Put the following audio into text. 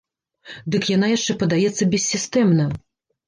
Дык яна яшчэ падаецца бессістэмна.